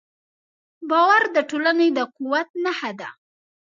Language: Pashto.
باور د ټولنې د قوت نښه ده.